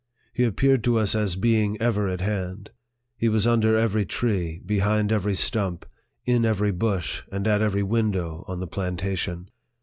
He appeared to us as being ever at hand. He was under every tree, behind every stump, in every bush, and at every win dow, on the plantation.